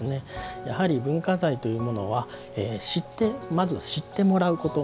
文化財というものはまず知ってもらうこと。